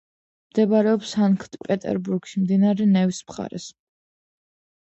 მდებარეობს სანქტ-პეტერბურგში, მდინარე ნევის მხარეს.